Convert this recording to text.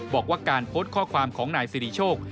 บอกว่าการโพสต์ข้อความของนายสิริโชค